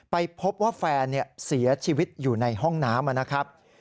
ไปพบว่าแฟนเสียชีวิตอยู่ในห้องน้ำนะครับ